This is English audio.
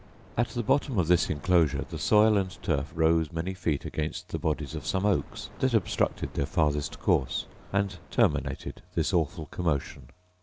At the bottom of this enclosure the soil and turf rose many feet against the bodies of some oaks that obstructed their farther course and terminated this awful commotion.